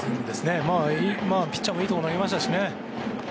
ピッチャーもいい所投げましたしね。